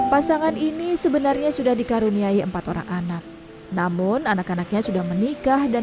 pasangan ini sebenarnya sudah dikaruniai empat orang anak namun anak anaknya sudah menikah dan